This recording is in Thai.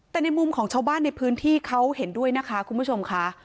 แต่ในมุมของชาวบ้านในพื้นที่เขาเห็นด้วยนะคะคุณผู้ชมค่ะ